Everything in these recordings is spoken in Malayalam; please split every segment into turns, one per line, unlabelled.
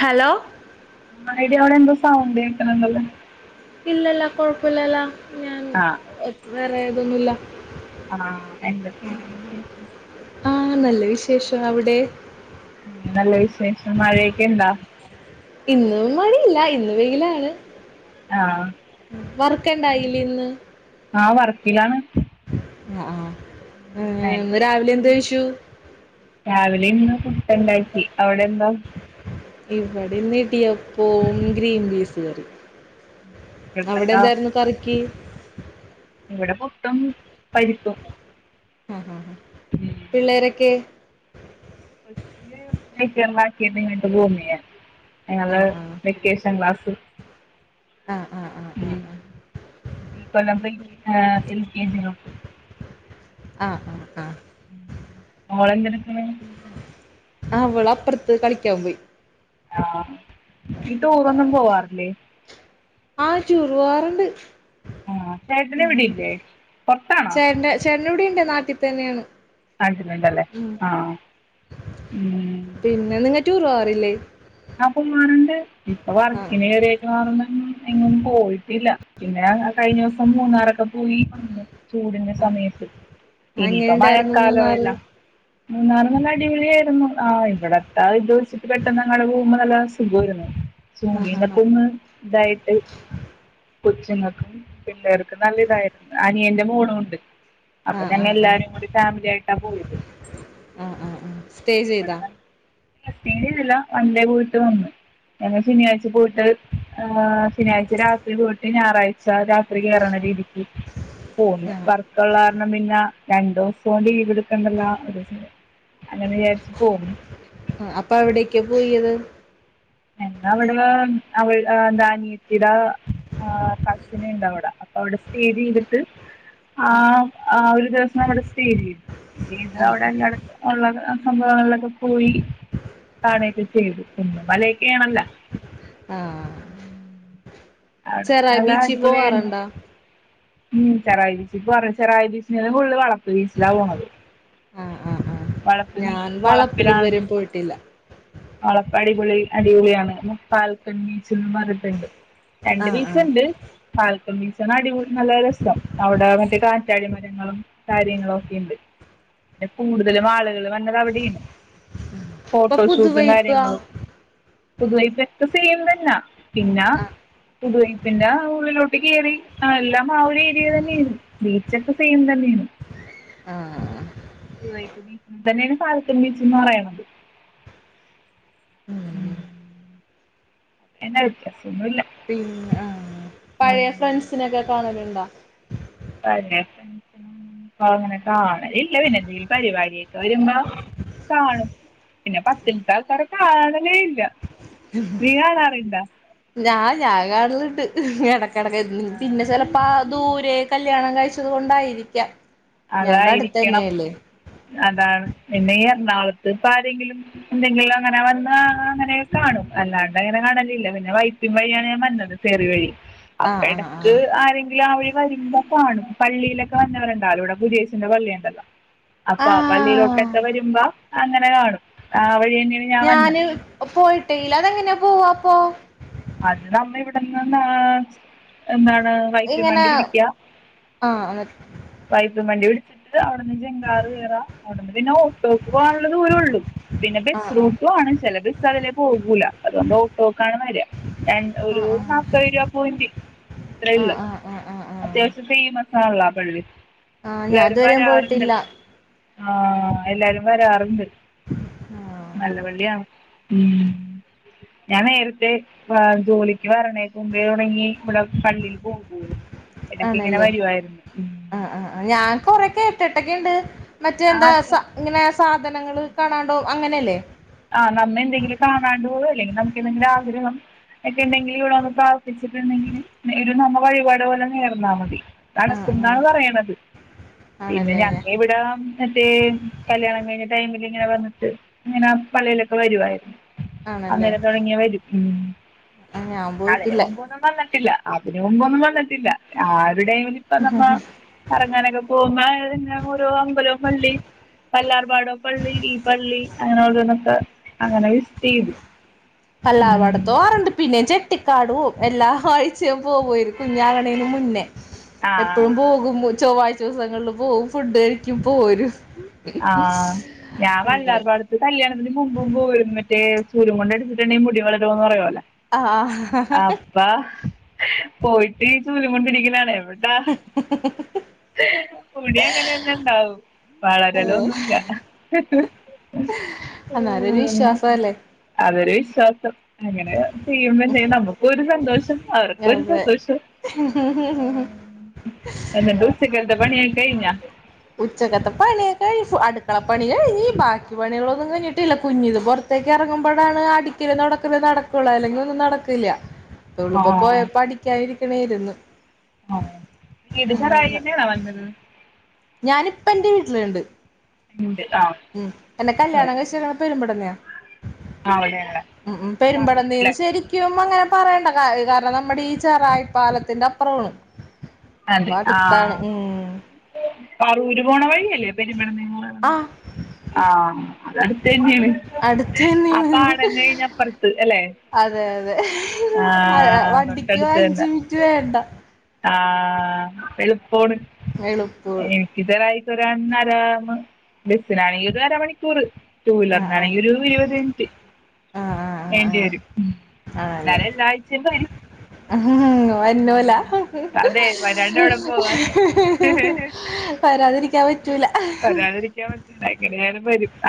ഹലോ
ആ ടി അവിടെ എന്തോ സൗണ്ട് കേക്കണണ്ടല്ലേ
ഇല്ലല്ല കൊഴപ്പല്ലല്ല
ആ
വേറെ തൊന്നുല്ല
ആ എന്തൊക്കെണ്ട് വിശേഷം
ന്ല്ല വിശേഷം അവിടെ
നല്ല വിശേഷം മഴയൊക്കെ ഇണ്ടാ
ഇന്നും മണിയില്ല ഇന്ന് വെയിലാണ്
ആഹ്
വർക്കണ്ടായിലെ ഇന്ന്
ആ വർക്കിലാണ്
ആ ആ
ഉം എന്ത്
ഇന്ന് രാവിലെ
പറ്റി
എന്ത് കയിച്ചു
ന്ന് പുട്ടണ്ടാക്കി അവിടെ എന്താ
ഇവിടെന്ന് ഇഡിയ പ്പോം ഗ്രീംൻപീസ് തിയറി അവിടെ
ഉച്ചക്കത്തേക്കാ
എന്തായിരുന്നു കറിക്ക്
ഇവിടെ പൊട്ടും പരിപ്പും
അ ആ ആ
ഉം
പിള്ളേരൊക്കെ
[inaudible] അ
ആ ആ
വെക്കേഷൻ ക്ലാസ്
ആ ആ ആ ആ ആ
ഈ കൊല്ലം എൽ കെ ജീലോട്ട്
അ ആ ആ
ഓള എങ്ങനെ [inaudible]
അവള അപ്പറത്ത് കളിക്കാൻ പോയി
ആ ഇ
അപ്പ
ട്ടൂറൊന്നും പോവാറില്ലേ
റവാറ്ണ്ട്
ആഹ് ചേട്ടന് ഇവിടില്ലേ പൊറത്താണോ
ചേര ചേരണൂടിണ്ട് നാ തന്നെയാണ്
ആട്ടന്നണ്ടല്ലേ
ഉം
ആ
പിന്നെ നിങ്ങ റ്റൂറോ വാറില്ലേ
ഞാൻ പോ വാറണ്ട് ഇപ്പൊ
ആഹ്
വർക്കിന കേറിക്കണ കാര്ണം എങ്ങും പോയിട്ടില്ല പിന്നെ കഴിഞ്ഞ ദിവസം മൂന്നാറൊക്കെ പോയി വന്ന് ചൂടിന്റെ
ആഹ്
സമയത്ത്
എങ്ങനെ
ഇനിയിപ്പ
ഉണ്ടായിരുന്നു മൂന്നാറ്?
മഴക്കാലയില്ല മന്നാറ് നല്ല അടിപൊ ലിയായിരുന്നു ആ ഇവിട ത്താ ഇത് വച്ചിട്ട് പെട്ടെന്ന് നിങ്ങളല്ല സുഖരുന്നു ചൂ
ആഹ് ആഹ്
ടിന്നൊക്കോന്ന് ഇതായിട്ട് കൊച്ചുങ്ങൾക്കും പിള്ളേർക്കും നല്ല ഇതായിരുന്നു അനിയന്റെ മോളും ഉണ്ട് അപ്പൊ
ആഹ് ആഹ്
ഞങ്ങ
ആഹ് ആഹ്
എല്ലാരും കൂടി ഫാമിലിയാ യിട്ടാ പോയത്
പേ
അവിടെ
ചെയ്താ
സ്റ്റേ ല്ല വൺ ഡേ പോയിട്ട് വന്നു ഞങ്ങൾ ശനിയാഴ് ച പോയിട്ട് ശനിയാഴ്ച രാത്രി പോയിട്ട് ഞായറാഴ്ച രാത്രി കയറണ രീതിക്ക് പോന്ന്
ആഹ്
വർക്കുള്ള അപ്പം പിന്നെ രണ്ട ദിവസംലീവെടുക്കണ്ടല്ലെന്നു അങ്ങനെ വിചാരി പോന്ന്
ആ അപ്പൊ അവിടക്കാ പോയത്
എന്നാ അവിടെ അവ ദാനിയത്തിയുടെ കസിന ഉണ്ട് അവിടെ അപ്പൊ അവിടെ സ്റ്റേ ചെയ്തിട്ട് ആ ഒരു ദിവസം അവിടെ സ്റ്റേ ചെയ്തു ചെയ്ത്
ആഹ്
അവിടെ എല്ലായിടത്തും ഉള്ള സംഭവങ്ങളിലൊക്കെ പോയി കാണെ ക്കെ ചെയ്ത് കുന്നും മലയും കേ ണല്ല
ചെറായ ബീച്ചിൽ പോവാറണ്ടാ
ഉം ചെറായി ബീച്ചി പോവാറി ചെറായ ബീച്ചിന ഉള് വളതു ബീസിലാ പോണത്
ആ
വളപ്പ് ബീച്ച്
ആആഞാൻ വളപ്പിൽ
വളപ്പിലാണ്
ഇതുവരും പോയിട്ടില്ല
പടിപൊളി അടിപൊളിയാണ് ന പാൽക്കൺ ബീച്ചന്ന് മറട്ടുണ്ട് രണ്ട്
ആഹ്
വീച്ചു
ആഹ്
ഉണ്ട് പൽ [unintelligible] അടിപൊളി നല്ല രസം അവിടെ മറ്റേ കാറ്റാടി മരങ്ങളും കാര്യങ്ങളും ഒക്കെയുണ്ട് പിന്നെ കൂടുതലും ആളുകൾ വന്നത് അവിടെുന്നു
ഇപ്പൊ
ഫോട്ടോഷൂട്ടും
പുതുവൈപ്പ് ആഹ്
കാര്യങ്ങളും പൊതുവായി പ്രക്തസ് ചെയ്യും തന്നാ പിന്നെ പുതുവൈപ്പിന്റെ ഉള്ളിലോട്ട് കയറി എല്ലാം ആ ഒരു ഏരിയ തന്നെയ ആ ബീച്ചൊക്കെ സെയിം തന്നെയാണ്
ആ
പു തായിട്ട് ബീച്ച തന്നെയാണ് പാൽകാണി ബീച്ചന്ന് പറയണത് ഉം എന്നാ വെത്യാസം
പിന്ന ആ പഴയ
ഉം
ഫ്രണ്ട്സിനൊക്കെ കാണല അണ്ട
അങ്ങനെ കാണ ഇല്ല പിന്നെ എന്തെങ്കും പരിപാടിയൊക്കെ വരുമ്പോ കാണും പിന്നെ പത്തിത്തെ ആൾക്കാര കാണലേ ഇല്ല നീ കാണാറുണ്ടോ
ഞാൻ ഞാകാണാ ലിണ്ട് ഇ ടക്ക് കെടക്കായിരുന്നു
ആ,
പിന്നെ ചെലപ്പോ ദൂരെ കല്യാണം കഴിച്ചതുകൊണ്ടായിരിക്കാം
അതായിരിക്കണം അതാണ് പിന്നീ [unintelligible] ഇപ്പൊ ആരെങ്കിലും എന്തെങ്കിലും അങ്ങനെ വന്നാ അങ്ങനെ കാണും അല്ലാണ്ട് അങ്ങനെ കാണലില്ല പിന്നെ വൈപ്പിൻ വഴിയാണ് ഞാൻ വരണത് [unintelligible] വഴി അപ്പ
ആഹ് ആഹ്
എടക്ക്
ആഹ്
ആരെങ്കിലും ആ വഴി വരുമ്പോ കാണും പള്ളിയിലൊക്കെ വരണവരുണ്ട് അവരോടൊപ്പം [unintelligible] പള്ളിയുണ്ടല്ലോ അപ്പൊ ആ
ആഹ്
പള്ളിയിലോട്ടൊക്കെ വരുമ്പോ അങ്ങനെ കാണും ആ വഴി തന്നെയാണ് ഞാൻ വന്നത്
ഞാന് പോയി ട്ടില്ല അതെങ്ങനെയാ പോവാ അപ്പൊ
അത് നമ്മ ഇവിടുന്ന് ന എന്താണ് വൈപ്പിൻ
ഇങ്ങനെ
വണ്ടി പിടിക്ക
ആഹ് എന്നിട്ട്
വൈപ്പിൻ വണ്ടി പിടിച്ചിട്ട് അവിടുന്ന് ചെങ്കാറ് കേറാം അവിടുന്ന് പിന്നെ ഓ [unintelligible] പോവാനുളള ദൂരൊള്ളൂ പിന്നെ
ആഹ് ആഹ്
ബസ്സ്റൂട്ടുവാണ് ചെലര് [unintelligible] പോകൂല്ല അതോണ്ട് ഓട്ടോ ആണ് വരിക രണ്ട് ഒരു
ആഹ് ആഹ് ആഹ്
നാപ്പത് രൂപാ പോയിന്റ് അത്രേ ഉള്ളൂ
ആഹ് ആഹ്
അത്യാവശ്യം ഇപ്പൊ ഈ ആഹ ലാഭംി [unintelligible]
ആ ഞാൻ അതുവഴി ഞാൻ പോയിട്ടില്ല
ആ എല്ലാരും വരാറുണ്ട് നല്ല പള്ളിയാ ഉം ഞാൻ നേരത്തെ ആ ജോലിക്ക് വരണേനുമുന്നേ തൊടങ്ങി ഇവിടെ പള്ളിയില് പോകു [unintelligible] എടക്കിങ്ങനെ
ആണല്ലേ
വരുവായിരുന്നു ഉം
ആഹ് ആഹ് ഞാൻ കൊറേ കേട്ടിട്ടൊക്കെ ഉണ്ട് മറ്റെ
ആ
എന്താ സ
അച്ഛൻ
ഇങ്ങനെ സാധനങ്ങള് കാണാണ്ടുപോം അങ്ങനെയല്ലേ?
ആ നമ്മ എന്തെങ്കിലും കാണാണ്ടുപോവോ ഇല്ലെങ്കിൽ നമുക്ക് എന്തെങ്കിലും ആഗ്രഹം ഒക്കെ ഇണ്ടെങ്കി ഇവിടെവന്ന് പ്രാർത്ഥിച്ചിട്ടുണ്ടെങ്കില് ഇത് നമ്മ വഴിപാട് പോലെ നേർന്നാ മതി.
ആഹ്
നടക്കുന്നാണ്
ആഹ്
പറയണത് പിന്നെ
ആണല്ലേ
ഞങ്ങ ഇവിടെ [unintelligible] കല്യാണം കഴിഞ്ഞ ടൈമില് ഇങ്ങനെ വന്നിട്ട് ഇങ്ങന പള്ളിയിലൊക്കെ വരുവായിരുന്നു.
ആണല്ലേ
അന്നേരം തൊടങ്ങി വരും ഉം
ഞാൻ
അതിനു
പോയിട്ടില്ല
മുമ്പൊന്നും വന്നിട്ടില്ല. അതിന് മുമ്പൊന്നും വന്നിട്ടില്ല. ആ എവിടെങ്കിലും ഇപ്പൊ നമ്മ കറങ്ങാനൊക്കെ പോകുമ്പോഴെല്ലാം ഓരോ അമ്പലവും പള്ളിം വല്ലാർ പാടംപ്പള്ളി ഈ പള്ളി അങ്ങനെ ഓരോന്നും അങ്ങനെ വിസിറ്റ് ചെയ്യും.
വല്ലാർപാടത്തോറണ്ട് പിന്നെ ചെ കുട്ടിക്കാടുപോവും എല്ലാ ആഴ്ചയും പോവരുന്നു കുഞ്ഞാകണേന് മുന്നേ.
ആ
എപ്പഴും പോകും മു ചൊവ്വാഴ്ചവിസങ്ങളിൽ പോവും ഫുഡ് കഴിക്കും പോരും.
ആഹ് ഞാൻ
അങ്ങനെ
വല്ലാർപാടത്ത് കല്യാണത്തിന് മുമ്പും പോവുരുന്നു മറ്റേ ചൂലും കൊണ്ടടിച്ചിട്ടണ്ടെ മുടി വളരുന്ന് പറയോല്ല.
ആഹ് ആഹ്.
പോയിട്ട് ചൂലുകൊണ്ടിരിക്കലാല്ലേ എവ്ട് [unintelligible] മുടി അങ്ങനെന്നെണ്ടാവും വള ഇടല് ഒന്നൂല്ല
അന്നേരം ഒരു വിശ്വാസല്ലേ
അ ഒരു വിശ്വാസം. അങ്ങനെ ചെയ്യുമ്പ നമുക്കും ഒരു സന്തോഷം അവർക്കും ഒരു
അതെ
സന്തോഷം എന്നിട്ട് ഉച്ചക്കത്തെ പണി കഴി കയ്ഞ്ഞാ?
ഉച്ചക്കത്തെ പണിയൊക്കെ ആയി അടുക്കള പണി കഴിഞ്ഞ്, ബാക്കി പണികളൊന്നും കഴിഞ്ഞിട്ടില്ല, കുഞ്ഞിത് പൊറത്തേക്ക് ഇറങ്ങുമ്പോഴാണ് അടിക്കലും തൊടക്കലും നടക്കുള്ളൂ, അല്ലെങ്കി ഒന്നും നടക്കില്ലാ. [unintelligible] പോയാ
ആഹ്
പഠിക്കാനിരിക്കണേയിരുന്നു
ആഹ് വീട് ശറായി തന്നെയാണാ വന്നത്?
ഞാനിപ്പം എൻ്റെ വീട്ടിലുണ്ട്.
ഉണ്ട് ആഹ്
ഉം എന്നെ
ആഹ്
കല്യാണം കഴിച്ചേക്കണ പെരുമ്പടുന്നെയാ
അവിടെയാണ്
ഉം ഉം പെരുമ്പടന്തേന്ന്
പറവൂരല്ലേ
ശരിക്കും അങ്ങനെ പറയേണ്ട കാ കാരണം നമ്മുടെ ഈ ചെറായി പാലത്തിന്റെ അപ്പുറാണ്. അപ്പൊ
അതെ
അടുത്താണ്
ആഹ്
ഉം.
പറവൂര് പോവണ വഴിയ [unintelligible]
ആഹ്
ആ അത് അട്ത്ത്ന്നെണ്
അടുത്ത്
ആ
തന്നെയാണ്
പാടം കഴിഞ്ഞ് അപ്പർത്ത് അല്ലെ
അതെ അതെ അതെ
ആഹ്
വണ്ടിക്ക് അഞ്ച്മിനിറ്റ് വേണ്ട
ആ ആ വെളു പോണ് ഏ
എളുപ്പുള്ളൂ
[unintelligible] [unintelligible] ബെസ്സിനാണെങ്കി ഒരു അരമണിക്കൂറ് ടു
ആഹ്
വീലറിനാണെങ്കിൽ ഒരു ഇരുവത് മിനിറ്റ്
ആഹ് ആഹ് ആഹ്
വേണ്ടി
ആഹ് ആഹ്
വരും
ആണല്ലേ
എന്നാല് എല്ലാ ആഴ്ച്ചേ വരും അതെ വരാണ്ട്
ഹ്
എവിടെ പോവാൻ
ഹ് ഹ് ഹ് ഹ് വരാതിരിക്കാൻ പറ്റൂല ഹ്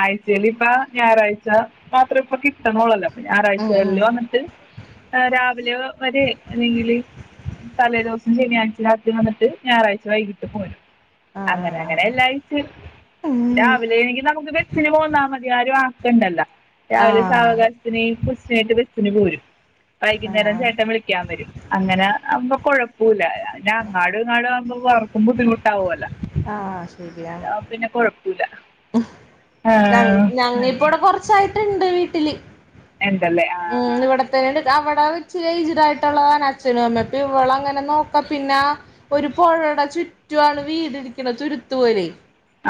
ആഴ്ച്ചേല് ഇപ്പ ഞായറാഴ്ച മാത്രം ഇപ്പ കിട്ട്ണ ഒള്ളല്ലോ
ഉം
ഞാറാഴ്ചകളിൽ
ഉം
വന്നിട്ട് രാവിലെ വരെ അല്ലെങ്കില് തലേദിവസം ശനിയാഴ് രാത്രി വന്നിട്ട് ഞായറാഴ്ച വൈകിട്ട് പോരും
ആഹ്
അങ്ങനെ അങ്ങനെ
ആഹ്
എല്ലാഴിചേ
ആഹ് ഉം
രാവിലെ [unintelligible] ബെസ്സിന് പോന്നാ മതി ആരു ആ ക്കണ്ടല്ലോ രാവിലെ
ആഹ്
സാവകാശത്തിന് ഈ കൊച്ചിനെ ആയിട്ട് ബെ സ്സിന് പോരും
ആഹ്
വൈകുന്നേരം
ആഹ്
ചേട്ടൻ വിളിക്കാൻ വരും അങ്ങനെ അപ്പം കൊഴ പ്പുലാ അങ്ങാട് ഇങ്ങാട് ആവുമ്പൊ അവർക്കും ബുദ്ധിമുട്ടാവോല്ലോ.
ആ ശരിയാണ്.
ക്കൂലാ
ഞ ഞങ്ങ ഇപ്പോ ഇവടെ
അങ്ങനെ
കൊറച്ചായി ട്ട്ണ്ട് വീട്ടിൽ
ഉണ്ടല്ലേ ആ
ഉം ഇവിടെത്തന്നെണ്ട് ദാ അവ് കൊറച്ച് എയ്ജെട് ആയിട്ടുള്ളതാണ് അച്ഛനും അമ്മേം. ഇപ്പൊ ഇവളങ്ങനെ നോക്കാ പിന്നാ ഒരു പൊഴാടെ ചുറ്റുവാണ് വീടിരിക്കണെ തുരുത്ത് പോലെ.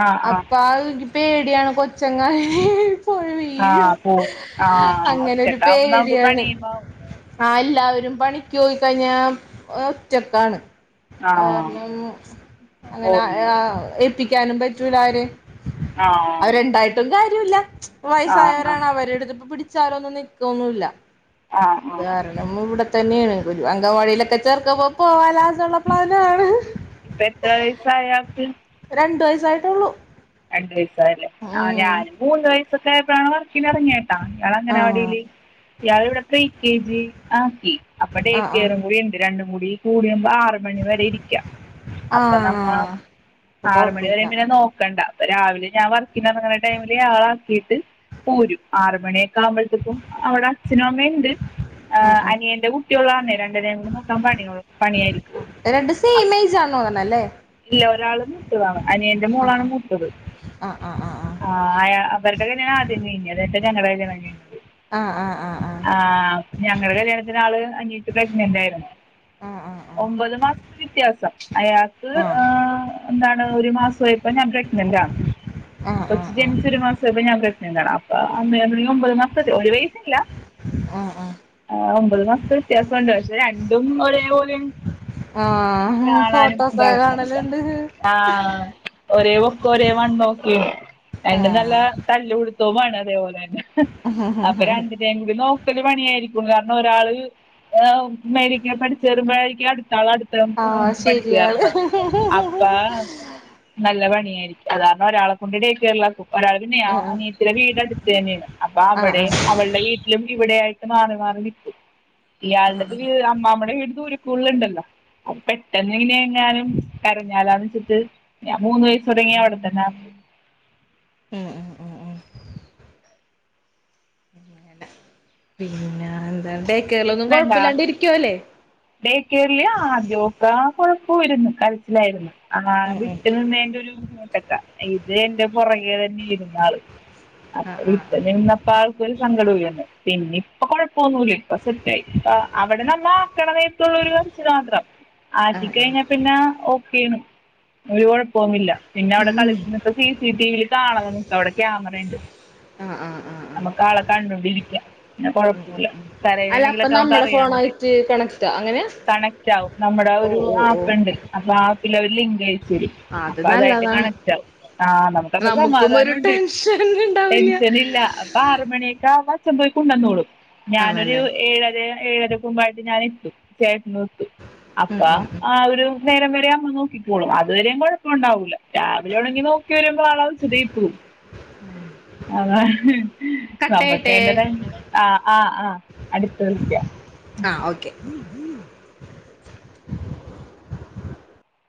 ആ ആ
അപ്പ അ പേടിയാണ് കൊച്ചങ്ങാനുവേ
ആ പോ ആ
അങ്ങനെ
ഒറ്റക്കാ? ന്നാ പണിയുമ്പോ
ആ എല്ലാവരും പണിക്കോയി കഴിഞ്ഞാ ഒറ്റക്കാണ്.
ആ
കാരണം അങ്ങനെ
പോന്ന്
ആ എ [unintelligible] ക്കാനും പറ്റൂലാര്
ആ
അവരൊണ്ടായിട്ടും കാര് രുല്ല
ആ ആ
വയസ്സായാരാണ് അവര്ട്ത്പ്പ പി ചാലൊന്നും നിക് തോന്നുല്ല.
ആ ആ
അതാരടമ്മുവിടെ [unintelligible] അങ്കവാടിയിലൊക്കെ ചേർക്കമ്പം പോവാലോ [unintelligible]
ഇപ്പൊ എത്ര വയസ്സായ
രണ്ട് വയസ് സായിട്ടുള്ളു
രണ്ടു വയസ്സായല്ലേ ആ ഞാൻ മൂന്ന് വയസ് ക്കയപ്പഴാ വർക്കിന് ഇറങ്ങിയേ ആ ഇയാൾ അങ്ങനെ
ആഹ്
അവിടല് ഇയാൾ ഇവിടെ കെ ജി ആക്കി അപ്പഴേ
ആഹ് ആഹ്
കെറും കൂടി ഉണ്ട് രണ്ടും മുടി കൂടിയ ആറ് മണി വരെ ഇരിക്കാം അപ്പൊ നമ്മ
ആഹ് അപ്പൊ
ആറ് മണി
കൊഴപ്പല്ല
വരെ നോക്കണ്ട രാവിലെ ഞാൻ വർക്കിനിറങ്ങുന്ന ടൈമില് ആള ആക്കിയിട്ട് പോരും ആറുമണിയൊക്കെ ആവുമ്പോഴത്തപ്പും അവിടെ അച്ഛനും അമ്മയുണ്ട്
ആഹ് ആഹ്
അനിയ എന്റെ കുട്ടിയുള്ള കാരണമേ രണ്ടിനേംകൂടി നോക്കാൻ പണിയ പണിയായിരിക്കുവൂ
രണ്ട് സെയിം ഏജ് ആണെന്ന് തോന്നണല്ലേ
ഇല്ല ഒരാള് ഇതാണ് അനിയന്റെ മോളാണ് മു
ആ ആ ആ ആ
അവര്ടെ കല്യാണമാ ആദ്യം കഴിഞ്ഞത് എന്നിട്ടാ ഞങ്ങടെ കല്യാണം കഴിഞ്ഞത്
ആ ആ ആ ആ
ഞങ്ങളുടെ കല്യാണത്തിന് ആള് അനിയത്തി പ്രഗ്ന്നൻ്റായിരുന്നു
ആഹ്
ഒമ്പത് മാസത്തെ വ്യത്യാസം അയാ അ
ആഹ് ആഹ്
ആ
ആഹ്
എന്താണ് ഒരു മാസമായപ്പ ഞാൻ
ആഹ് ആഹ് ആഹ് ആഹ്
കൊച്ച്ച്
ആഹ്
ജനിച്ച് ഒരു മാസയപ്പോ ഞാൻ അപ്പ ഒമ്പത് മാസ ഒരു വയസില്ല
ആഹ് ആഹ്
ആ ഒമ്പത് മാസത്തെ വ്യത്യാസംണ്ട്ക്ഷ രണ്ടും ഒരേ പൊലെ
ആഹ് ആഹ്
കാണാനും
ഫോട്ടോസൊക്കെ കാണലുണ്ട്
[unintelligible] ആ ഒരേ ഒരേ വണ്ണമൊക്കെയാ അയിനും നല്ല
ആഹ്
തല് സോബാണോ അതേപോലെ അപ്പൊ രണ്ടിനേയും കൂടി നോക്കല് പണിയായിരിക്കും കാരണം ഒരാള് മേല പഠിച്ചുേരുമ്പോഴേക്കും അടു-
ആഹ്
ാളടുത്തക്ക് പഠിച്ചു
ശരിയാണ്
കയറത് അപ്പ നല്ല പണി സാധാരണ ഒരാള കൊണ്ടു ടേകെയർൽ ആക്കും ഒരാൾ നെയ
ആഹ്
അനിയത്തിലെ വീട അടുത്ത് തന്നെയാണ് അപ്പൊ
ആഹ്
അവിടെയും
ആഹ്
അവളുടെ വീട്ടിലും- ഇവിടെയായിട്ട് മാറി മാറി നിൽിക്കും ഇയാളത് അമ്മാമ്മയുടെ വീട്- ൂക്കൂുണ്ടല്ലോ പെട്ടെന്ന് ഇങ്ങനെ എങ്ങാനും കരഞ്ഞാലാന്ന് വെച്ചിട്ട് ഞാൻ മൂന്ന് വയസ് തുടങ്ങി അവിടെ അതു തന്നെ
ഉ ഉ ഉ ഉ പിങ്ങ പിന്നെ എന്താണ്
കേക്കനണ്ടാ ഡേക്കറല്ആദ്യോക്ക കൊ പോൂരുന്നു കരച്ചിലായിരുന്നു ആ
ഉം ഉം
വിട്ടിൽ നിന്നതിന്റെ ഒരു ബുദ്ധിമുട്ട- ട്ട ഇത് എന്റെ പൊറകെ തന്നെ ഇരുന്നാള്
ആഹ്
അപ്പൊ
ആഹ്
ഇപ്പ നിന്നപ്പോ ആൾക്കൊരു സങ്കടോം ഇല്ലന്ന് പിന്നി പ്പ കൊഴപ്പൊനുല്ലേ [unintelligible] അവിടെ നമ്മ ആക്കണമേത്തുള്ളൊരു [unintelligible] മാത്രം ആക്കി
ആഹ്
കഴിഞ്ഞ
ആഹ്
പിന്നെ ഒ- [unintelligible] പോന്നില്ല പിന്നവിടെ കളിച്ചിന്നപ്പൊ സി സി ടി വിൽ കാണാണ് അവിടെ ക്യയാമറണ്ട്
ആഹ് ആഹ് ആഹ് ആഹ്
നമ്മ്ക്ക് ആളെ കണ്ടോണ്ടിരിക്കാം പിന്നെ
ഉം
കൊഴപ്പൂല്ല
അല്ല അപ്പൊ
എങ്ങനേലൊക്കെ നമുക്ക്
നമ്മടെ
അറിയാൻ പറ്റും
ഫോണായിട്ട് കണക്റ്റാ അങ്ങനെ
കണക്ട് ആവും നമ്മുടെ ഒരു
ഓഹ് ഓഹ് ഓഹ്
ആപ്പ്ണ്ട് അപ്പൊ ഇല്ല അത് ലിങ്ക് ആയി ശരി
അത്
അപ്പൊ അതായിട്ട്
നല്ലതാണ്
കണക്റ്റ് ആവും ആഹ് നമുക്കപ്പ
നമുക്കും ഒരു
സമാധാനവുണ്ട്
ടെൻഷൻ ഇണ്ടാവില്ല
ടെൻഷനില്ല അപ്പ ആറുമണിയൊകാവുമ്പോ- [unintelligible] കുണ്ടന്നൂളും ഞാനൊര് [unintelligible] ഒരു
ആണല്ലേ
ഏഴര [unintelligible] അപ്പ
ഉം ഉം ഉം
ആ ഒരു നേരം വരെ അമ്മ നോക്കിക്കോളും അത്വരെയും കൊഴപ്പൊണ്ടാവൂല്ല രാവിലെ ഉണെങ്ങി നോക്കി വരുമ്പോ ആള സ്തുതി കിട്ടും അതാഹ്
കട്ടായിട്ടെ
[unintelligible] ആഹ് ആഹ് ആഹ് [unintelligible]
[inaudible]